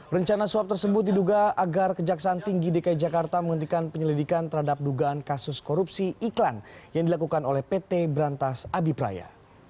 rencana suap tersebut diduga agar kejaksaan tinggi dki jakarta menghentikan penyelidikan terhadap dugaan kasus korupsi iklan yang dilakukan oleh pt berantas abipraya